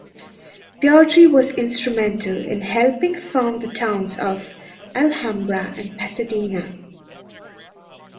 Beaudry was instrumental in helping found the towns of Alhambra and Pasadena.